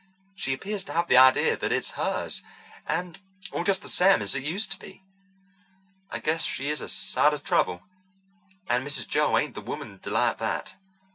She appears to have the idea that it is hers, and all just the same as it used to be. I guess she is a sight of trouble, and Mrs. Joel ain't the woman to like that.